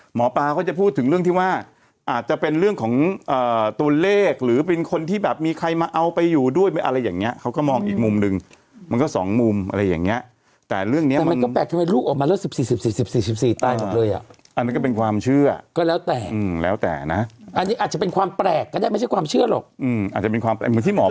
หมอปลาเขาจะพูดถึงเรื่องที่ว่าอาจจะเป็นเรื่องของตัวเลขหรือเป็นคนที่แบบมีใครมาเอาไปอยู่ด้วยอะไรอย่างเงี้เขาก็มองอีกมุมหนึ่งมันก็สองมุมอะไรอย่างเงี้ยแต่เรื่องเนี้ยแต่มันก็แปลกทำไมลูกออกมาแล้วสิบสี่สิบสี่สิบสี่สิบสี่ตายหมดเลยอ่ะอันนั้นก็เป็นความเชื่อก็แล้วแต่แล้วแต่นะอันนี้อาจจะเป็นความแปลกก็ได้ไม่ใช่ความเชื่อหรอกอืมอาจจะเป็นความเหมือนที่หมอ